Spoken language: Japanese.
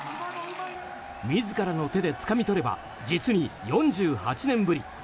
自らの手でつかみ取れば実に４８年ぶり。